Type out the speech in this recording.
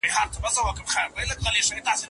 د خلګو د هوسايني له پاره ډېري هڅي ترسره سوې.